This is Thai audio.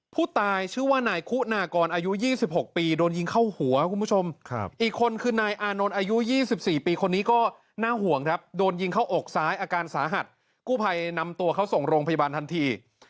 ผู้ตายชื่อว่านายคุณากรอายุ๒๖ปีโดนยิงเข้าหัวคุณผู้ชมอีกคนคือนายอานนท์อายุ๒๔ปีคนนี้ก็น่าห่วงครับโดนยิงเข้าอกซ้ายอาการสาหัสกู้ภัยนำตัวเขาส่งโรงพยาบาลทันที